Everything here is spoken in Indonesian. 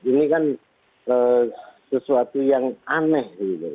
ini kan sesuatu yang aneh